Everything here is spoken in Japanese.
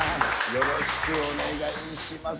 よろしくお願いします。